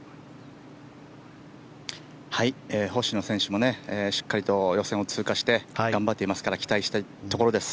星野選手もしっかりと予選を通過して頑張っていますから期待したいところです。